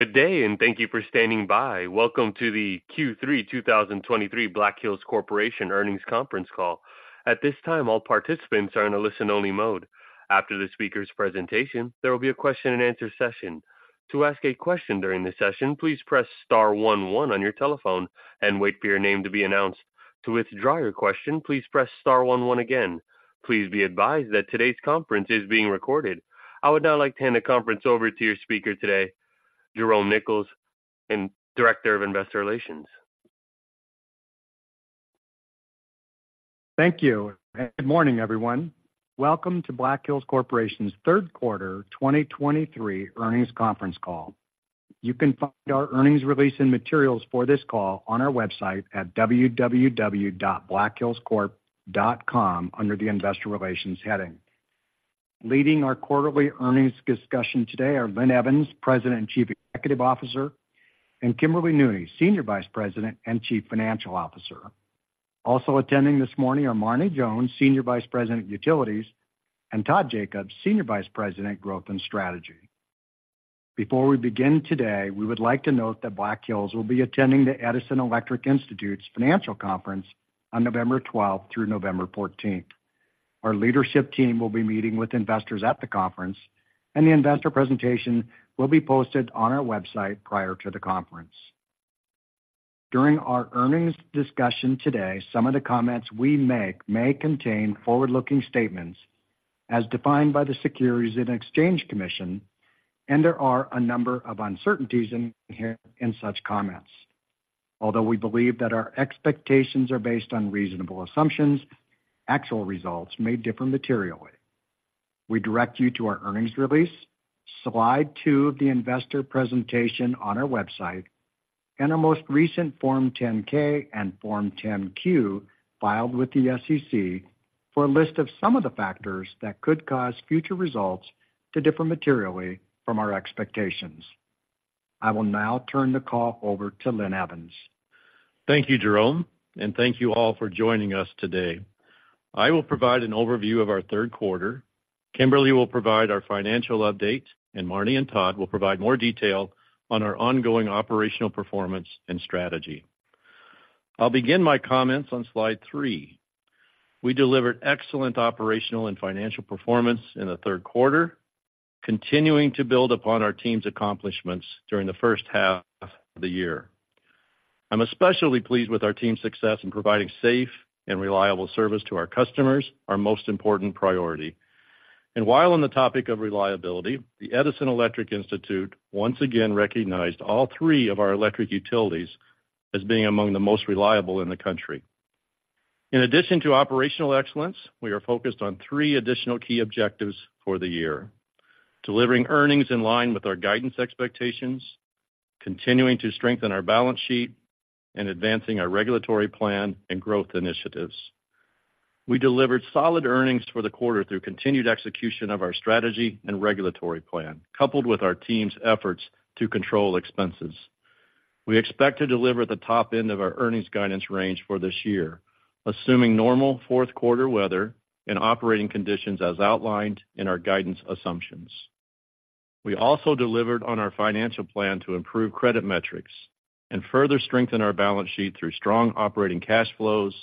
Good day, and thank you for standing by. Welcome to the Q3 2023 Black Hills Corporation earnings conference call. At this time, all participants are in a listen-only mode. After the speaker's presentation, there will be a question-and-answer session. To ask a question during the session, please press star one one on your telephone and wait for your name to be announced. To withdraw your question, please press star one one again. Please be advised that today's conference is being recorded. I would now like to hand the conference over to your speaker today, Jerome Nichols, Director of Investor Relations. Thank you. Good morning, everyone. Welcome to Black Hills Corporation's third quarter 2023 earnings conference call. You can find our earnings release and materials for this call on our website at www.blackhillscorp.com under the Investor Relations heading. Leading our quarterly earnings discussion today are Linn Evans, President and Chief Executive Officer, and Kimberly Nooney, Senior Vice President and Chief Financial Officer. Also attending this morning are Marne Jones, Senior Vice President of Utilities, and Todd Jacobs, Senior Vice President, Growth and Strategy. Before we begin today, we would like to note that Black Hills will be attending the Edison Electric Institute's Financial Conference on November twelfth through November fourteenth. Our leadership team will be meeting with investors at the conference, and the investor presentation will be posted on our website prior to the conference. During our earnings discussion today, some of the comments we make may contain forward-looking statements as defined by the Securities and Exchange Commission, and there are a number of uncertainties inherent in such comments. Although we believe that our expectations are based on reasonable assumptions, actual results may differ materially. We direct you to our earnings release, slide two of the investor presentation on our website, and our most recent Form 10-K and Form 10-Q filed with the SEC for a list of some of the factors that could cause future results to differ materially from our expectations. I will now turn the call over to Linn Evans. Thank you, Jerome, and thank you all for joining us today. I will provide an overview of our third quarter. Kimberly will provide our financial update, and Marne and Todd will provide more detail on our ongoing operational performance and strategy. I'll begin my comments on slide three. We delivered excellent operational and financial performance in the third quarter, continuing to build upon our team's accomplishments during the first half of the year. I'm especially pleased with our team's success in providing safe and reliable service to our customers, our most important priority. And while on the topic of reliability, the Edison Electric Institute once again recognized all three of our electric utilities as being among the most reliable in the country. In addition to operational excellence, we are focused on three additional key objectives for the year: delivering earnings in line with our guidance expectations, continuing to strengthen our balance sheet, and advancing our regulatory plan and growth initiatives. We delivered solid earnings for the quarter through continued execution of our strategy and regulatory plan, coupled with our team's efforts to control expenses. We expect to deliver the top end of our earnings guidance range for this year, assuming normal fourth quarter weather and operating conditions as outlined in our guidance assumptions. We also delivered on our financial plan to improve credit metrics and further strengthen our balance sheet through strong operating cash flows,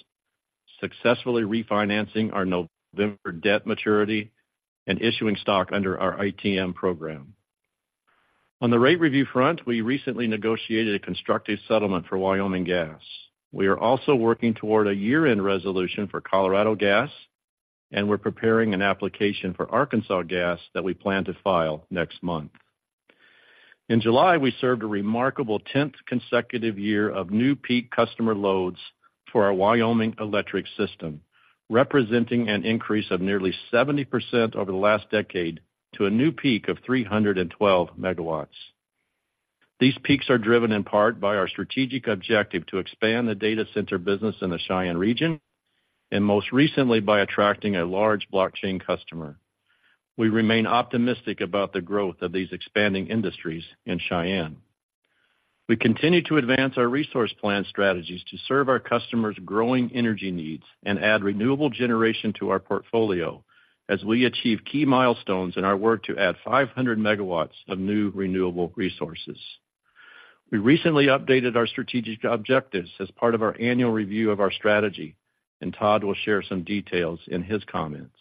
successfully refinancing our November debt maturity, and issuing stock under our ATM program. On the rate review front, we recently negotiated a constructive settlement for Wyoming Gas. We are also working toward a year-end resolution for Colorado Gas, and we're preparing an application for Arkansas Gas that we plan to file next month. In July, we served a remarkable 10th consecutive year of new peak customer loads for our Wyoming electric system, representing an increase of nearly 70% over the last decade to a new peak of 312 MW. These peaks are driven in part by our strategic objective to expand the data center business in the Cheyenne region and most recently, by attracting a large blockchain customer. We remain optimistic about the growth of these expanding industries in Cheyenne. We continue to advance our resource plan strategies to serve our customers' growing energy needs and add renewable generation to our portfolio as we achieve key milestones in our work to add 500 MW of new renewable resources. We recently updated our strategic objectives as part of our annual review of our strategy, and Todd will share some details in his comments.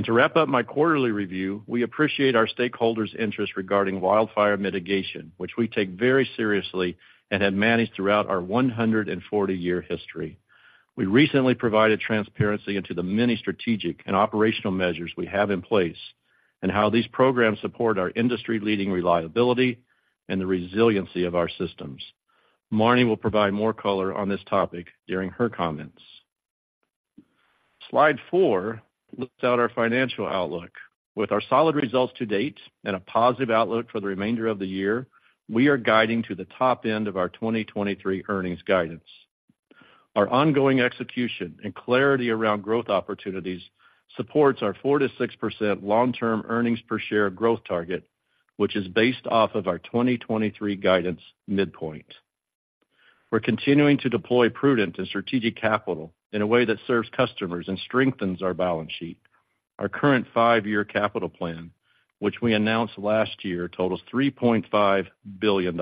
To wrap up my quarterly review, we appreciate our stakeholders' interest regarding wildfire mitigation, which we take very seriously and have managed throughout our 140-year history. We recently provided transparency into the many strategic and operational measures we have in place and how these programs support our industry-leading reliability and the resiliency of our systems. Marne will provide more color on this topic during her comments. Slide four looks at our financial outlook. With our solid results to date and a positive outlook for the remainder of the year, we are guiding to the top end of our 2023 earnings guidance. Our ongoing execution and clarity around growth opportunities supports our 4%-6% long-term earnings per share growth target, which is based off of our 2023 guidance midpoint. We're continuing to deploy prudent and strategic capital in a way that serves customers and strengthens our balance sheet. Our current five-year capital plan, which we announced last year, totals $3.5 billion.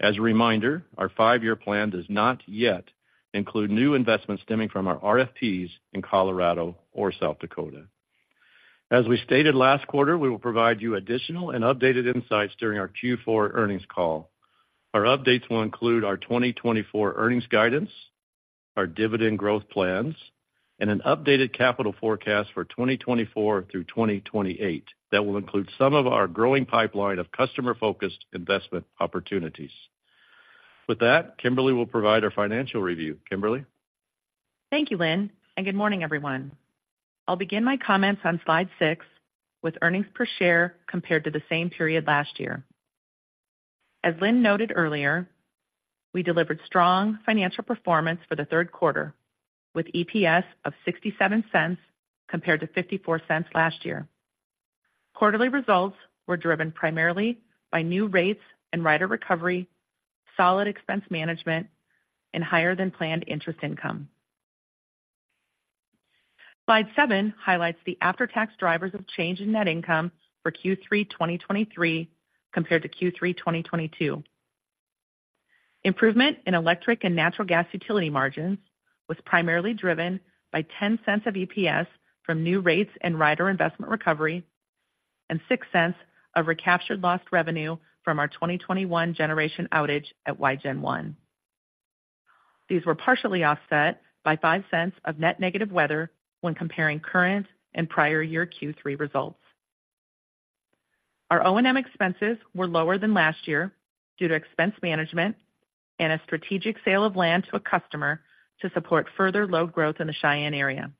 As a reminder, our five-year plan does not yet include new investments stemming from our RFPs in Colorado or South Dakota. As we stated last quarter, we will provide you additional and updated insights during our Q4 earnings call. Our updates will include our 2024 earnings guidance, our dividend growth plans, and an updated capital forecast for 2024 through 2028. That will include some of our growing pipeline of customer-focused investment opportunities. With that, Kimberly will provide our financial review. Kimberly? Thank you, Linn, and good morning, everyone. I'll begin my comments on slide 6 with earnings per share compared to the same period last year. As Linn noted earlier, we delivered strong financial performance for the third quarter, with EPS of $0.67 compared to $0.54 last year. Quarterly results were driven primarily by new rates and rider recovery, solid expense management, and higher than planned interest income. Slide seven highlights the after-tax drivers of change in net income for Q3 2023 compared to Q3 2022. Improvement in electric and natural gas utility margins was primarily driven by $0.10 of EPS from new rates and rider investment recovery, and $0.06 of recaptured lost revenue from our 2021 generation outage at Wygen I. These were partially offset by $0.05 of net negative weather when comparing current and prior year Q3 results. Our O&M expenses were lower than last year due to expense management and a strategic sale of land to a customer to support further load growth in the Cheyenne area.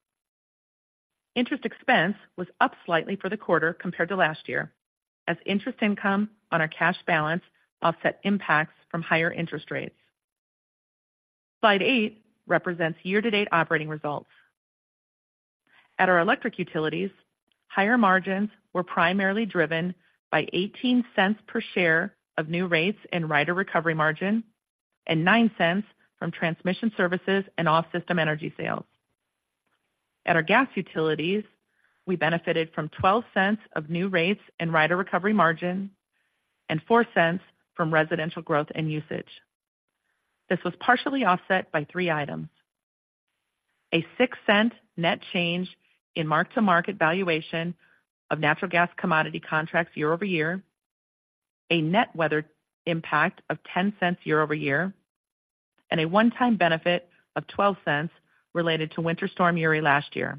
Interest expense was up slightly for the quarter compared to last year, as interest income on our cash balance offset impacts from higher interest rates. Slide eight represents year-to-date operating results. At our electric utilities, higher margins were primarily driven by $0.18 per share of new rates and rider recovery margin, and $0.09 from transmission services and off-system energy sales. At our gas utilities, we benefited from $0.12 of new rates and rider recovery margin and $0.04 from residential growth and usage. This was partially offset by three items: a $0.06 net change in mark-to-market valuation of natural gas commodity contracts year-over-year, a net weather impact of $0.10 year-over-year, and a one-time benefit of $0.12 related to Winter Storm Uri last year.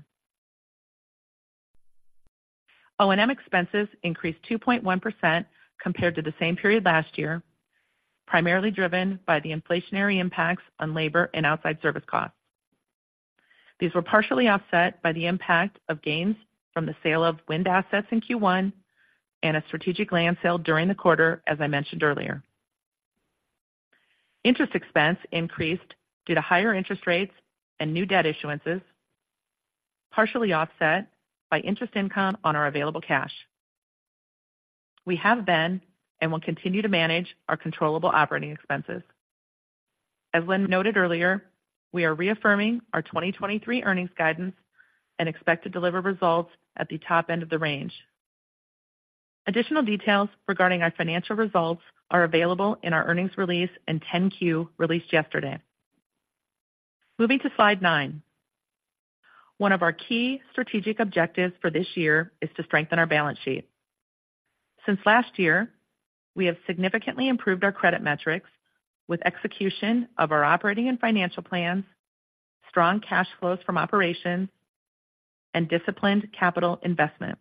O&M expenses increased 2.1% compared to the same period last year, primarily driven by the inflationary impacts on labor and outside service costs. These were partially offset by the impact of gains from the sale of wind assets in Q1 and a strategic land sale during the quarter, as I mentioned earlier. Interest expense increased due to higher interest rates and new debt issuances, partially offset by interest income on our available cash. We have been, and will continue to manage our controllable operating expenses. As Linn noted earlier, we are reaffirming our 2023 earnings guidance and expect to deliver results at the top end of the range. Additional details regarding our financial results are available in our earnings release and 10-Q, released yesterday. Moving to slide nine. One of our key strategic objectives for this year is to strengthen our balance sheet. Since last year, we have significantly improved our credit metrics with execution of our operating and financial plans, strong cash flows from operations, and disciplined capital investment.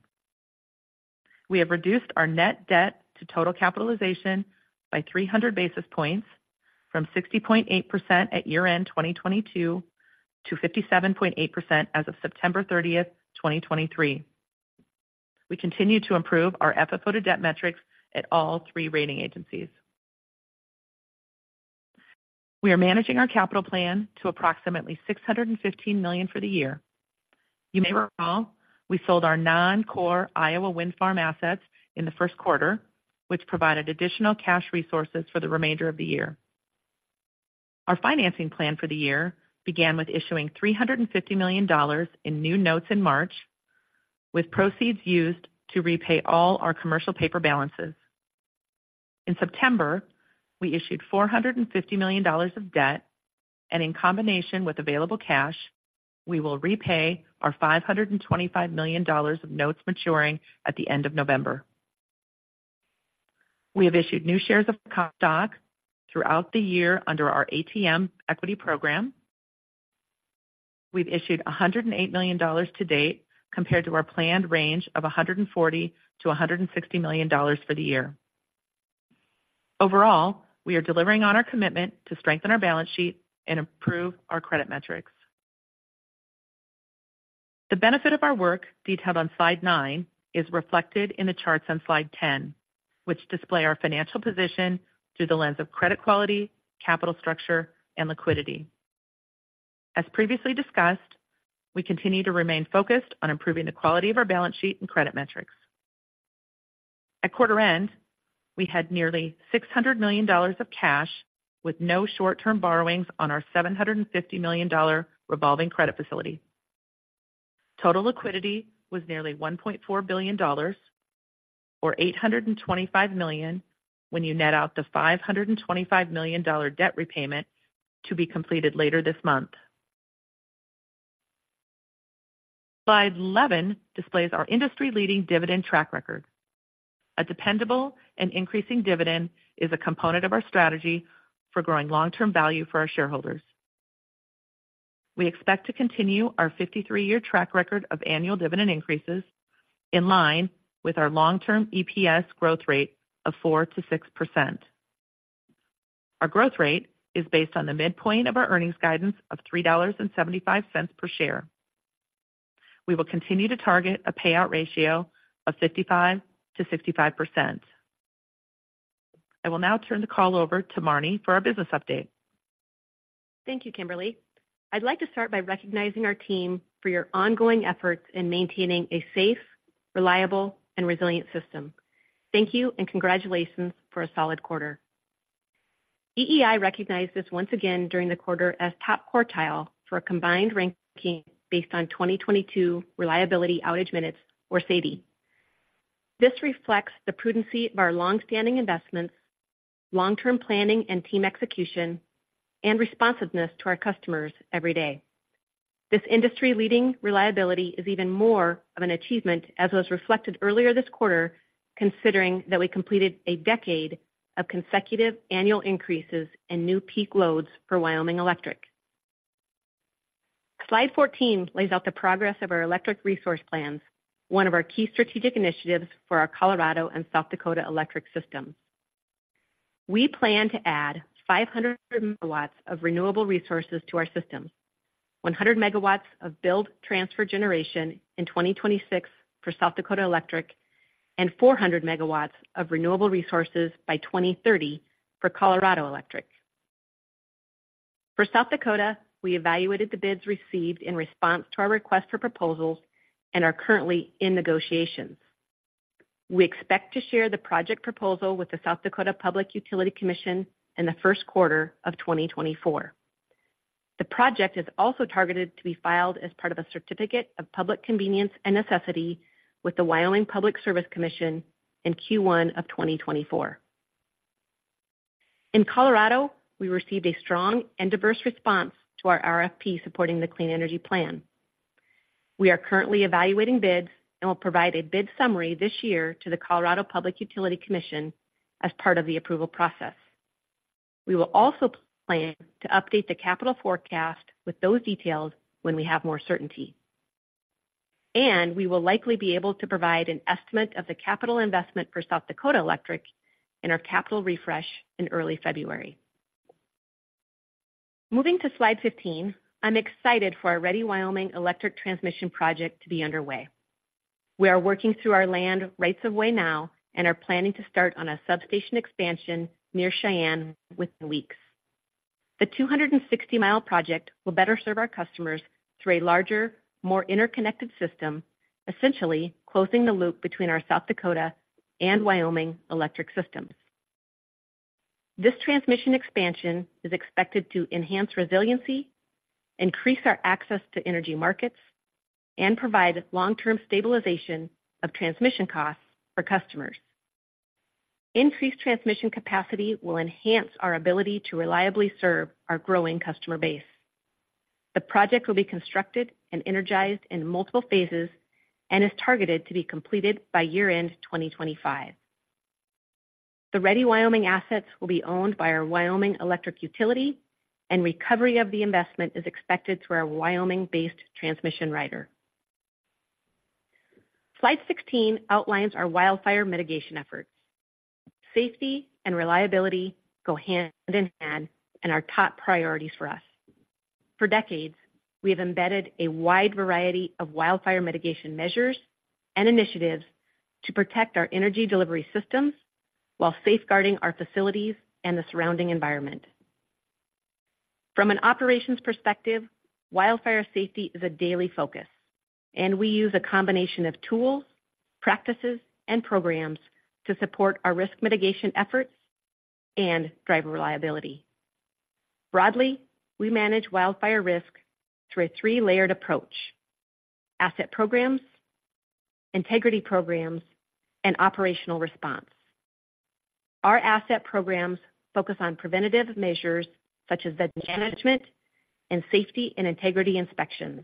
We have reduced our net debt to total capitalization by 300 basis points, from 60.8% at year-end 2022 to 57.8% as of September 30th, 2023. We continue to improve our FFO to debt metrics at all three rating agencies. We are managing our capital plan to approximately $615 million for the year. You may recall, we sold our non-core Iowa wind farm assets in the first quarter, which provided additional cash resources for the remainder of the year. Our financing plan for the year began with issuing $350 million in new notes in March, with proceeds used to repay all our commercial paper balances. In September, we issued $450 million of debt, and in combination with available cash, we will repay our $525 million of notes maturing at the end of November. We have issued new shares of stock throughout the year under our ATM equity program. We've issued $108 million to date, compared to our planned range of $140 million-$160 million for the year. Overall, we are delivering on our commitment to strengthen our balance sheet and improve our credit metrics. The benefit of our work, detailed on slide nine, is reflected in the charts on slide 10, which display our financial position through the lens of credit quality, capital structure, and liquidity. As previously discussed, we continue to remain focused on improving the quality of our balance sheet and credit metrics. At quarter end, we had nearly $600 million of cash with no short-term borrowings on our $750 million revolving credit facility. Total liquidity was nearly $1.4 billion, or $825 million when you net out the $525 million debt repayment to be completed later this month. Slide 11 displays our industry-leading dividend track record. A dependable and increasing dividend is a component of our strategy for growing long-term value for our shareholders. We expect to continue our 53-year track record of annual dividend increases in line with our long-term EPS growth rate of 4%-6%. Our growth rate is based on the midpoint of our earnings guidance of $3.75 per share. We will continue to target a payout ratio of 55%-65%. I will now turn the call over to Marne for our business update. Thank you, Kimberly. I'd like to start by recognizing our team for your ongoing efforts in maintaining a safe, reliable, and resilient system. Thank you and congratulations for a solid quarter. EEI recognized this once again during the quarter as top quartile for a combined ranking based on 2022 reliability outage minutes or SAIDI. This reflects the prudency of our long-standing investments, long-term planning and team execution, and responsiveness to our customers every day. This industry-leading reliability is even more of an achievement, as was reflected earlier this quarter, considering that we completed a decade of consecutive annual increases and new peak loads for Wyoming Electric. Slide 14 lays out the progress of our electric resource plans, one of our key strategic initiatives for our Colorado and South Dakota Electric systems. We plan to add 500 MW of renewable resources to our systems, 100 MW of build transfer generation in 2026 for South Dakota Electric, and 400 MW of renewable resources by 2030 for Colorado Electric. For South Dakota, we evaluated the bids received in response to our request for proposals and are currently in negotiations. We expect to share the project proposal with the South Dakota Public Utility Commission in the first quarter of 2024. The project is also targeted to be filed as part of a certificate of public convenience and necessity with the Wyoming Public Service Commission in Q1 of 2024. In Colorado, we received a strong and diverse response to our RFP supporting the Clean Energy Plan. We are currently evaluating bids and will provide a bid summary this year to the Colorado Public Utility Commission as part of the approval process. We will also plan to update the capital forecast with those details when we have more certainty. We will likely be able to provide an estimate of the capital investment for South Dakota Electric in our capital refresh in early February. Moving to slide 15, I'm excited for our Ready Wyoming electric transmission project to be underway. We are working through our land rights of way now and are planning to start on a substation expansion near Cheyenne within weeks. The 260-mile project will better serve our customers through a larger, more interconnected system, essentially closing the loop between our South Dakota and Wyoming electric systems. This transmission expansion is expected to enhance resiliency, increase our access to energy markets, and provide long-term stabilization of transmission costs for customers. Increased transmission capacity will enhance our ability to reliably serve our growing customer base. The project will be constructed and energized in multiple phases and is targeted to be completed by year-end 2025. The Ready Wyoming assets will be owned by our Wyoming Electric Utility, and recovery of the investment is expected through our Wyoming-based transmission rider. Slide 16 outlines our wildfire mitigation efforts. Safety and reliability go hand in hand and are top priorities for us. For decades, we have embedded a wide variety of wildfire mitigation measures and initiatives to protect our energy delivery systems while safeguarding our facilities and the surrounding environment. From an operations perspective, wildfire safety is a daily focus, and we use a combination of tools, practices, and programs to support our risk mitigation efforts and drive reliability. Broadly, we manage wildfire risk through a three-layered approach: asset programs, integrity programs, and operational response. Our asset programs focus on preventative measures such as management and safety and integrity inspections.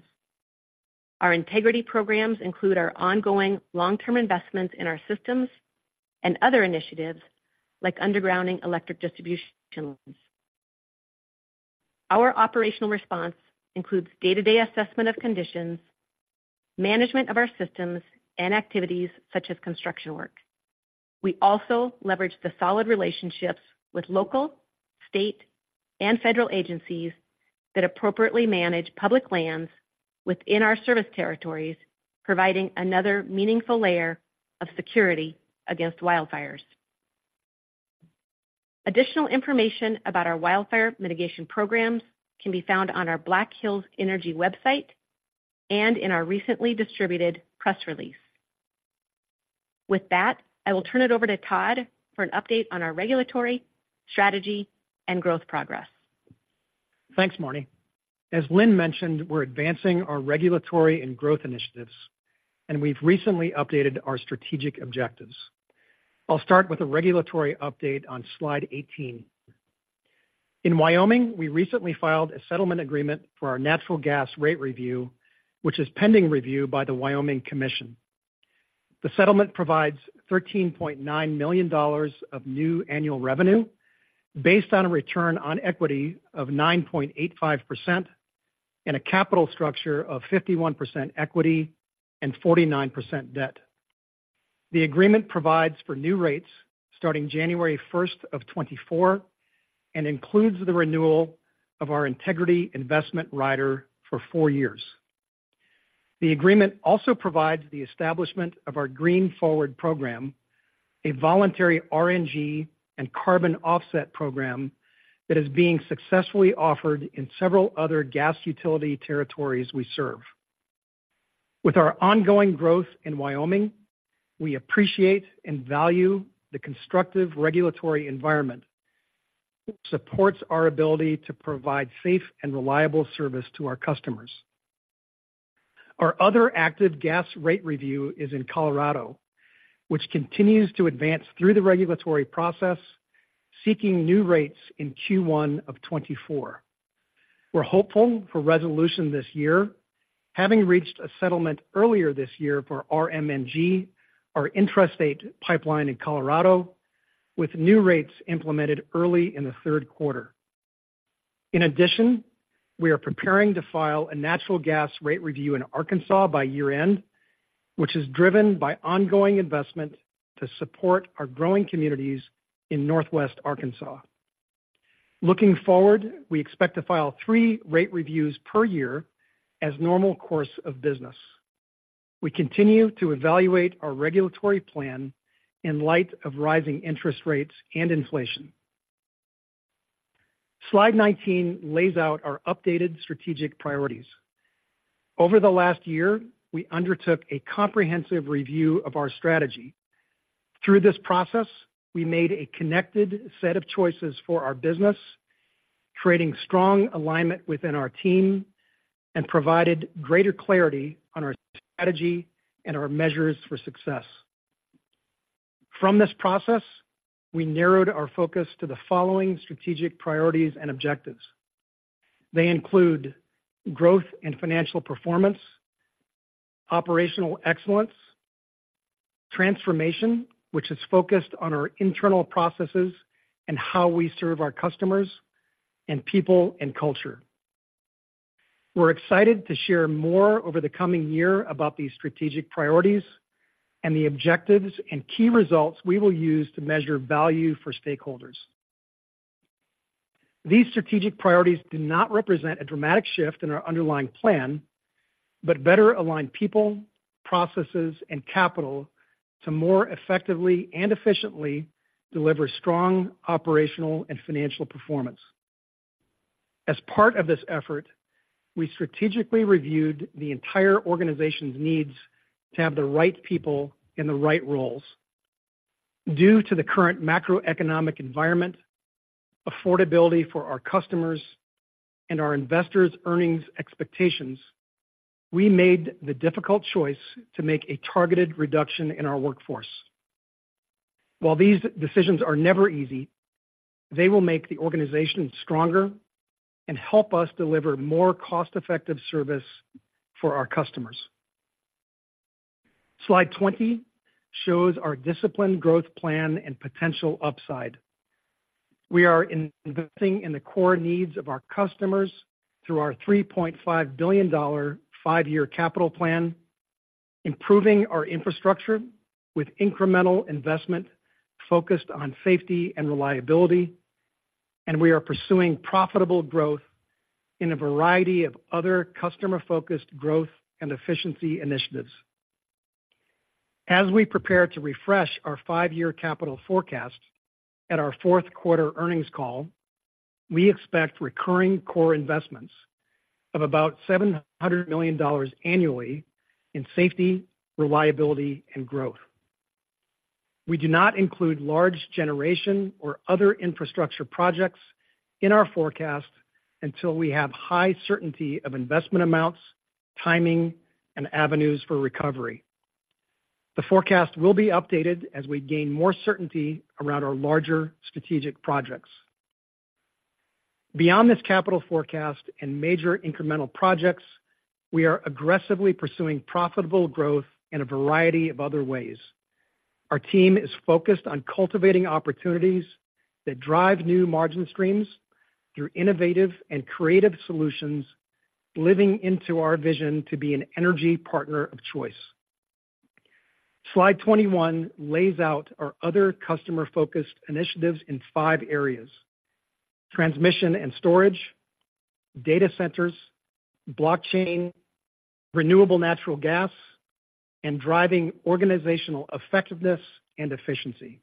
Our integrity programs include our ongoing long-term investments in our systems and other initiatives like undergrounding electric distribution lines. Our operational response includes day-to-day assessment of conditions, management of our systems, and activities such as construction work. We also leverage the solid relationships with local, state, and federal agencies that appropriately manage public lands within our service territories, providing another meaningful layer of security against wildfires. Additional information about our wildfire mitigation programs can be found on our Black Hills Energy website and in our recently distributed press release. With that, I will turn it over to Todd for an update on our regulatory, strategy, and growth progress. Thanks, Marne. As Linn mentioned, we're advancing our regulatory and growth initiatives, and we've recently updated our strategic objectives. I'll start with a regulatory update on slide 18. In Wyoming, we recently filed a settlement agreement for our natural gas rate review, which is pending review by the Wyoming Commission. The settlement provides $13.9 million of new annual revenue based on a return on equity of 9.85% and a capital structure of 51% equity and 49% debt. The agreement provides for new rates starting January 1st, 2024 and includes the renewal of our Integrity Investment Rider for four years. The agreement also provides the establishment of our Green Forward program, a voluntary RNG and carbon offset program that is being successfully offered in several other gas utility territories we serve. With our ongoing growth in Wyoming, we appreciate and value the constructive regulatory environment, which supports our ability to provide safe and reliable service to our customers. Our other active gas rate review is in Colorado, which continues to advance through the regulatory process, seeking new rates in Q1 of 2024. We're hopeful for resolution this year, having reached a settlement earlier this year for RMNG, our intrastate pipeline in Colorado, with new rates implemented early in the third quarter. In addition, we are preparing to file a natural gas rate review in Arkansas by year-end, which is driven by ongoing investment to support our growing communities in Northwest Arkansas. Looking forward, we expect to file three rate reviews per year as normal course of business. We continue to evaluate our regulatory plan in light of rising interest rates and inflation. Slide 19 lays out our updated strategic priorities. Over the last year, we undertook a comprehensive review of our strategy. Through this process, we made a connected set of choices for our business, creating strong alignment within our team and provided greater clarity on our strategy and our measures for success. From this process, we narrowed our focus to the following strategic priorities and objectives. They include growth and financial performance, operational excellence, transformation, which is focused on our internal processes and how we serve our customers, and people and culture. We're excited to share more over the coming year about these strategic priorities and the objectives and key results we will use to measure value for stakeholders. These strategic priorities do not represent a dramatic shift in our underlying plan, but better align people, processes, and capital to more effectively and efficiently deliver strong operational and financial performance. As part of this effort, we strategically reviewed the entire organization's needs to have the right people in the right roles. Due to the current macroeconomic environment, affordability for our customers, and our investors' earnings expectations, we made the difficult choice to make a targeted reduction in our workforce. While these decisions are never easy, they will make the organization stronger and help us deliver more cost-effective service for our customers. Slide 20 shows our disciplined growth plan and potential upside. We are investing in the core needs of our customers through our $3.5 billion five-year capital plan, improving our infrastructure with incremental investment focused on safety and reliability, and we are pursuing profitable growth in a variety of other customer-focused growth and efficiency initiatives. As we prepare to refresh our five-year capital forecast at our fourth quarter earnings call, we expect recurring core investments of about $700 million annually in safety, reliability, and growth. We do not include large generation or other infrastructure projects in our forecast until we have high certainty of investment amounts, timing, and avenues for recovery. The forecast will be updated as we gain more certainty around our larger strategic projects. Beyond this capital forecast and major incremental projects, we are aggressively pursuing profitable growth in a variety of other ways. Our team is focused on cultivating opportunities that drive new margin streams through innovative and creative solutions, living into our vision to be an energy partner of choice. Slide 21 lays out our other customer-focused initiatives in five areas: transmission and storage, data centers, blockchain, renewable natural gas, and driving organizational effectiveness and efficiency.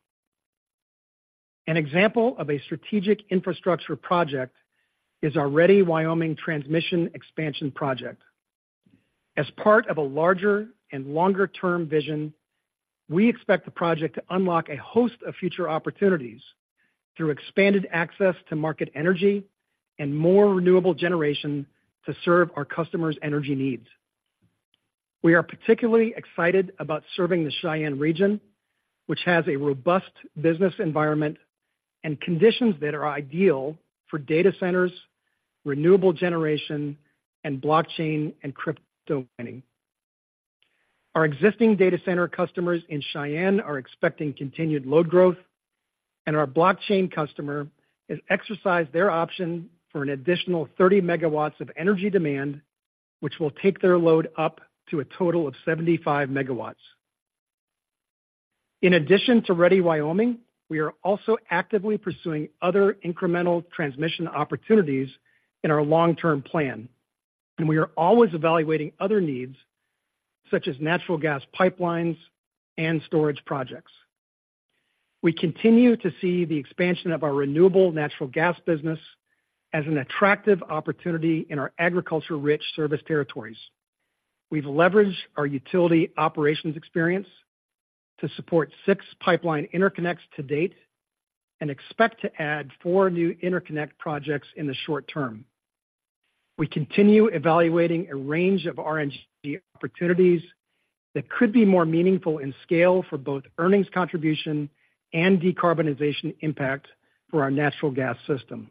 An example of a strategic infrastructure project is our Ready Wyoming Transmission Expansion Project. As part of a larger and longer-term vision, we expect the project to unlock a host of future opportunities through expanded access to market energy and more renewable generation to serve our customers' energy needs. We are particularly excited about serving the Cheyenne region, which has a robust business environment and conditions that are ideal for data centers, renewable generation, and blockchain and crypto mining. Our existing data center customers in Cheyenne are expecting continued load growth, and our blockchain customer has exercised their option for an additional 30 MW of energy demand, which will take their load up to a total of 75 MW. In addition to Ready Wyoming, we are also actively pursuing other incremental transmission opportunities in our long-term plan, and we are always evaluating other needs, such as natural gas pipelines and storage projects. We continue to see the expansion of our renewable natural gas business as an attractive opportunity in our agriculture-rich service territories. We've leveraged our utility operations experience to support six pipeline interconnects to date and expect to add four new interconnect projects in the short term. We continue evaluating a range of RNG opportunities that could be more meaningful in scale for both earnings contribution and decarbonization impact for our natural gas system.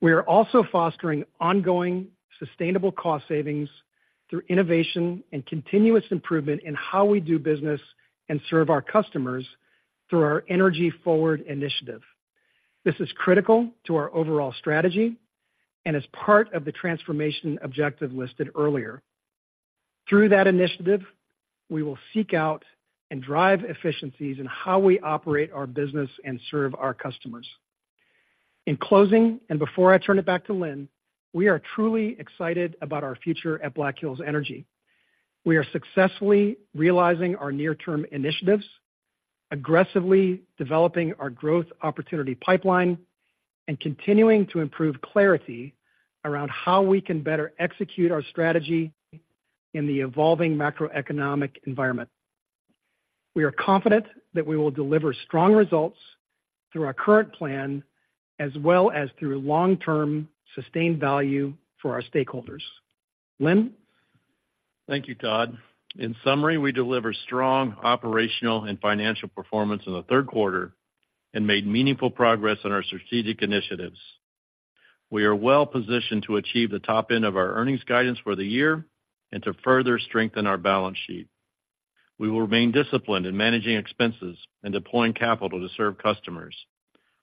We are also fostering ongoing sustainable cost savings through innovation and continuous improvement in how we do business and serve our customers through our Energy Forward initiative. This is critical to our overall strategy and is part of the transformation objective listed earlier. Through that initiative, we will seek out and drive efficiencies in how we operate our business and serve our customers. In closing, and before I turn it back to Linn, we are truly excited about our future at Black Hills Energy. We are successfully realizing our near-term initiatives, aggressively developing our growth opportunity pipeline, and continuing to improve clarity around how we can better execute our strategy in the evolving macroeconomic environment. We are confident that we will deliver strong results through our current plan, as well as through long-term sustained value for our stakeholders. Linn? Thank you, Todd. In summary, we delivered strong operational and financial performance in the third quarter and made meaningful progress on our strategic initiatives. We are well positioned to achieve the top end of our earnings guidance for the year and to further strengthen our balance sheet. We will remain disciplined in managing expenses and deploying capital to serve customers.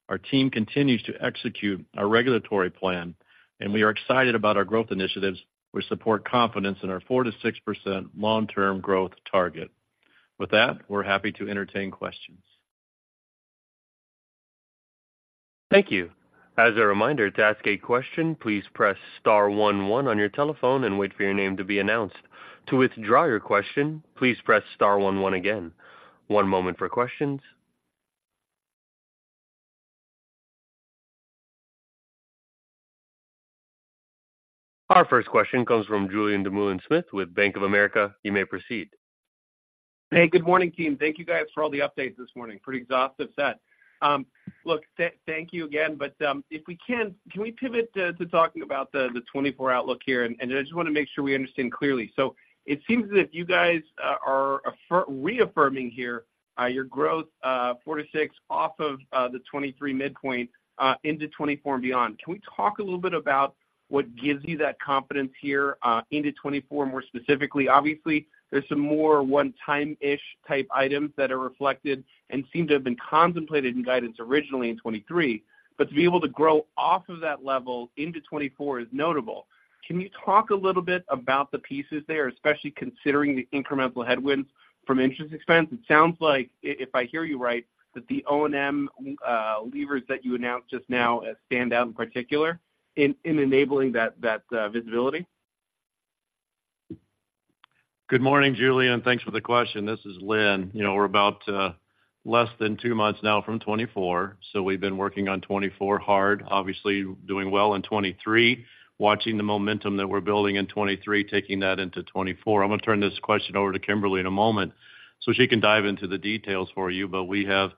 Our team continues to execute our regulatory plan, and we are excited about our growth initiatives, which support confidence in our 4%-6% long-term growth target. With that, we're happy to entertain questions. Thank you. As a reminder, to ask a question, please press star one one on your telephone and wait for your name to be announced. To withdraw your question, please press star one one again. One moment for questions. Our first question comes from Julien Dumoulin-Smith with Bank of America. You may proceed. Hey, good morning, team. Thank you guys for all the updates this morning. Pretty exhaustive set. Look, thank you again, but if we can pivot to talking about the 2024 outlook here? And I just want to make sure we understand clearly. So it seems as if you guys are reaffirming here your growth 4%-6% off of the 2023 midpoint into 2024 and beyond. Can we talk a little bit about what gives you that confidence here into 2024 more specifically? Obviously, there's some more one-time-ish type items that are reflected and seem to have been contemplated in guidance originally in 2023, but to be able to grow off of that level into 2024 is notable. Can you talk a little bit about the pieces there, especially considering the incremental headwinds from interest expense? It sounds like, if I hear you right, that the O&M levers that you announced just now stand out in particular in enabling that visibility. Good morning, Julien, and thanks for the question. This is Linn. You know, we're about, less than two months now from 2024, so we've been working on 2024 hard. Obviously, doing well in 2023, watching the momentum that we're building in 2023, taking that into 2024. I'm going to turn this question over to Kimberly in a moment so she can dive into the details for you. But we have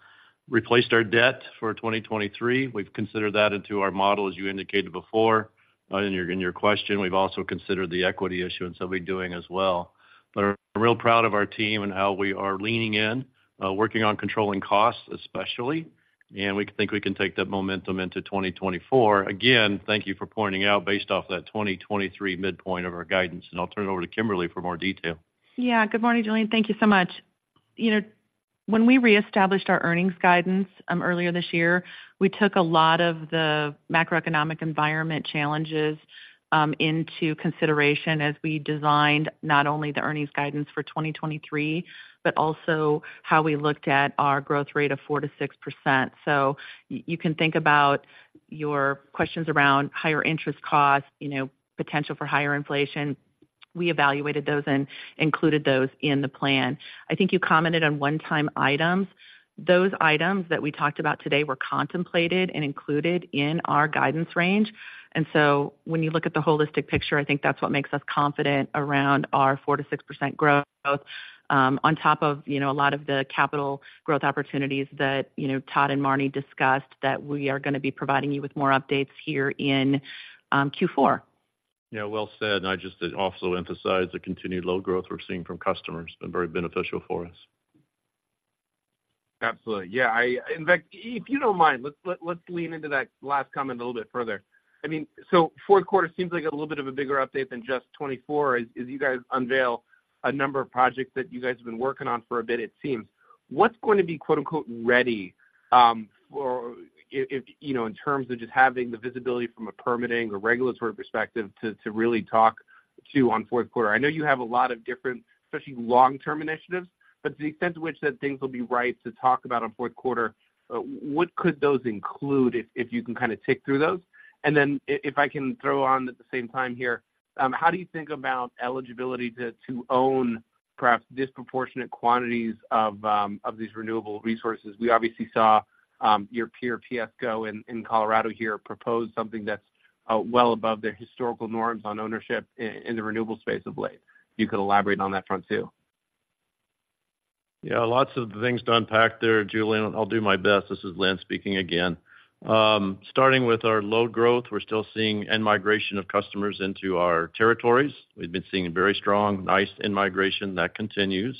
replaced our debt for 2023. We've considered that into our model, as you indicated before, in your, in your question. We've also considered the equity issuance that we're doing as well. But I'm real proud of our team and how we are leaning in, working on controlling costs, especially, and we think we can take that momentum into 2024. Again, thank you for pointing out, based off that 2023 midpoint of our guidance, and I'll turn it over to Kimberly for more detail. Yeah. Good morning, Julien. Thank you so much. You know, when we reestablished our earnings guidance earlier this year, we took a lot of the macroeconomic environment challenges into consideration as we designed not only the earnings guidance for 2023, but also how we looked at our growth rate of 4%-6%. So you can think about your questions around higher interest costs, you know, potential for higher inflation. We evaluated those and included those in the plan. I think you commented on one-time items. Those items that we talked about today were contemplated and included in our guidance range. When you look at the holistic picture, I think that's what makes us confident around our 4%-6% growth, on top of, you know, a lot of the capital growth opportunities that, you know, Todd and Marne discussed, that we are going to be providing you with more updates here in Q4. Yeah, well said. I just also emphasize the continued low growth we're seeing from customers, been very beneficial for us. Absolutely. Yeah, in fact, if you don't mind, let's lean into that last comment a little bit further. I mean, so fourth quarter seems like a little bit of a bigger update than just 24, as you guys unveil a number of projects that you guys have been working on for a bit, it seems. What's going to be, quote, unquote, "ready," for if you know, in terms of just having the visibility from a permitting or regulatory perspective to really talk to on fourth quarter? I know you have a lot of different, especially long-term initiatives, but to the extent to which that things will be right to talk about on fourth quarter, what could those include, if you can kind of tick through those? And then if I can throw on at the same time here, how do you think about eligibility to own perhaps disproportionate quantities of these renewable resources? We obviously saw your peer, PSCo, in Colorado here, propose something that's well above their historical norms on ownership in the renewable space of late. You could elaborate on that front too. Yeah, lots of things to unpack there, Julien. I'll do my best. This is Linn speaking again. Starting with our load growth, we're still seeing in-migration of customers into our territories. We've been seeing very strong, nice in-migration that continues.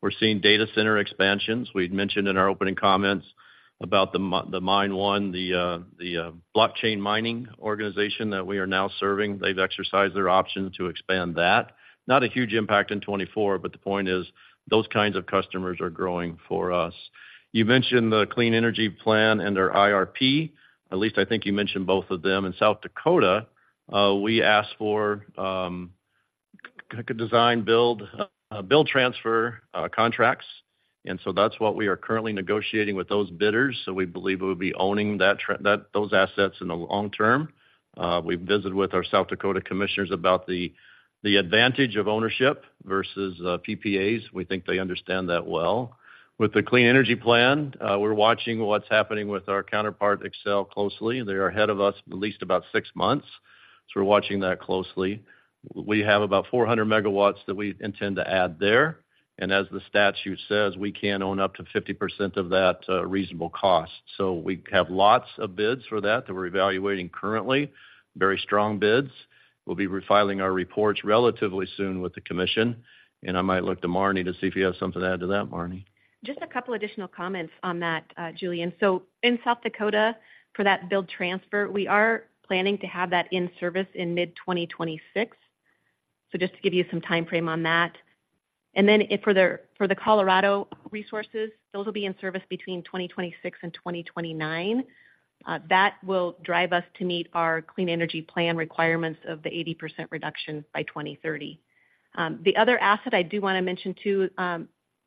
We're seeing data center expansions. We'd mentioned in our opening comments about the MineOne, the blockchain mining organization that we are now serving. They've exercised their option to expand that. Not a huge impact in 2024, but the point is, those kinds of customers are growing for us. You mentioned the Clean Energy Plan and our IRP, at least I think you mentioned both of them. In South Dakota, we asked for kind of design, build, build transfer contracts, and so that's what we are currently negotiating with those bidders, so we believe we'll be owning that, those assets in the long term. We visited with our South Dakota commissioners about the advantage of ownership versus PPAs. We think they understand that well. With the Clean Energy Plan, we're watching what's happening with our counterpart, Xcel, closely. They're ahead of us at least about six months, so we're watching that closely. We have about 400 MW that we intend to add there, and as the statute says, we can own up to 50% of that, reasonable cost. So we have lots of bids for that, that we're evaluating currently. Very strong bids. We'll be refiling our reports relatively soon with the commission, and I might look to Marne to see if you have something to add to that, Marne. Just a couple additional comments on that, Julien. So in South Dakota, for that build transfer, we are planning to have that in service in mid-2026. So just to give you some time frame on that. And then for the Colorado resources, those will be in service between 2026 and 2029. That will drive us to meet our Clean Energy Plan requirements of the 80% reduction by 2030. The other asset I do want to mention, too,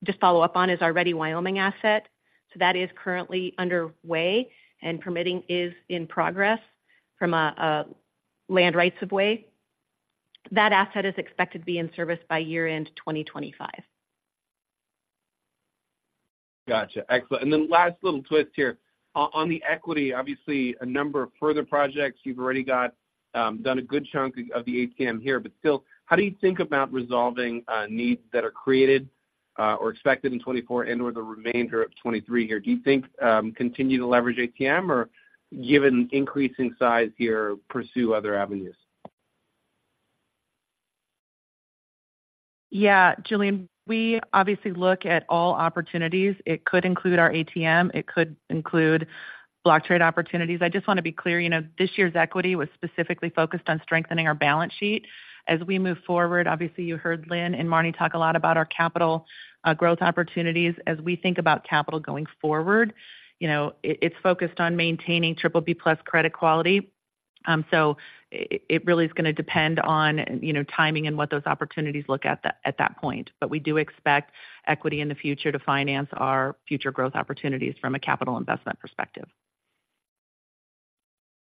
just follow up on, is our Ready Wyoming asset. So that is currently underway, and permitting is in progress from a land rights of way. That asset is expected to be in service by year-end 2025. Gotcha. Excellent. And then last little twist here. On the equity, obviously a number of further projects. You've already got done a good chunk of the ATM here, but still, how do you think about resolving needs that are created or expected in 2024 and or the remainder of 2023 here? Do you think continue to leverage ATM or given increasing size here, pursue other avenues? Yeah, Julien, we obviously look at all opportunities. It could include our ATM, it could include block trade opportunities. I just want to be clear, you know, this year's equity was specifically focused on strengthening our balance sheet. As we move forward, obviously, you heard Linn and Marne talk a lot about our capital growth opportunities. As we think about capital going forward, you know, it, it's focused on maintaining triple B plus credit quality. So it really is gonna depend on, you know, timing and what those opportunities look at at that point. But we do expect equity in the future to finance our future growth opportunities from a capital investment perspective.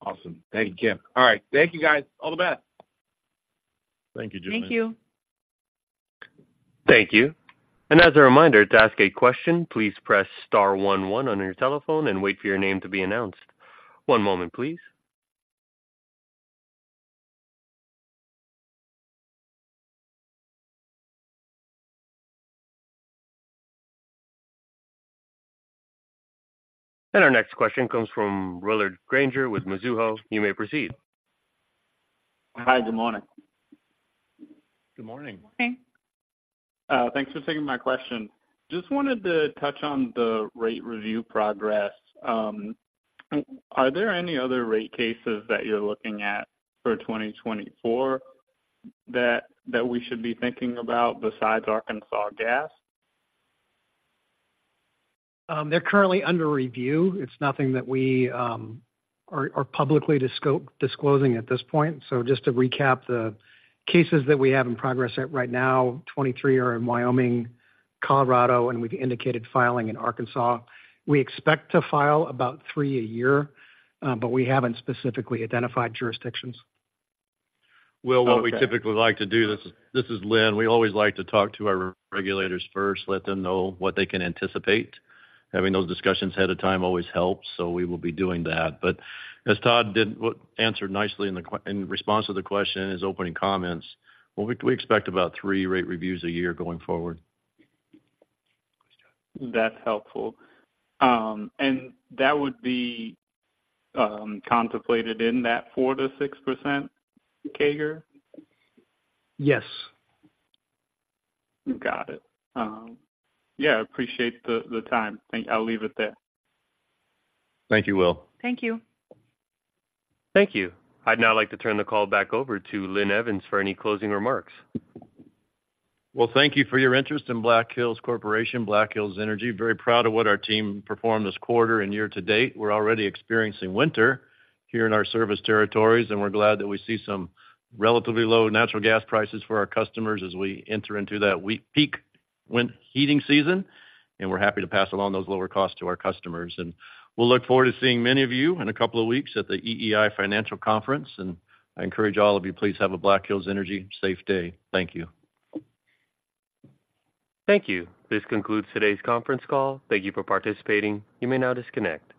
Awesome. Thank you, Kim. All right, thank you, guys. All the best. Thank you, Julien. Thank you. Thank you. And as a reminder, to ask a question, please press star one one on your telephone and wait for your name to be announced. One moment, please. And our next question comes from Willard Grainger with Mizuho. You may proceed. Hi, good morning. Good morning. Morning. Thanks for taking my question. Just wanted to touch on the rate review progress. Are there any other rate cases that you're looking at for 2024 that we should be thinking about besides Arkansas Gas? They're currently under review. It's nothing that we are publicly disclosing at this point. So just to recap the cases that we have in progress right now, 23 are in Wyoming, Colorado, and we've indicated filing in Arkansas. We expect to file about three a year, but we haven't specifically identified jurisdictions. Will, what we typically like to do. This is Linn. We always like to talk to our regulators first, let them know what they can anticipate. Having those discussions ahead of time always helps, so we will be doing that. But as Todd did, what answered nicely in response to the question, his opening comments, we expect about three rate reviews a year going forward. That's helpful. And that would be contemplated in that 4%-6% CAGR? Yes. Got it. Yeah, appreciate the time. Thank you. I'll leave it there. Thank you, Will. Thank you. Thank you. I'd now like to turn the call back over to Linn Evans for any closing remarks. Well, thank you for your interest in Black Hills Corporation, Black Hills Energy. Very proud of what our team performed this quarter and year to date. We're already experiencing winter here in our service territories, and we're glad that we see some relatively low natural gas prices for our customers as we enter into that peak winter heating season, and we're happy to pass along those lower costs to our customers. And we'll look forward to seeing many of you in a couple of weeks at the EEI financial conference, and I encourage all of you, please have a Black Hills Energy safe day. Thank you. Thank you. This concludes today's conference call. Thank you for participating. You may now disconnect.